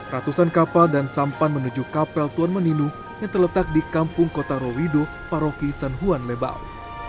ratusan kapal dan sampan menuju kapel tuan meninu yang terletak di kampung kota rowido paroki sanhuan lebau